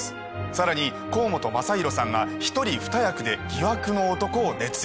さらに甲本雅裕さんが一人二役で疑惑の男を熱演。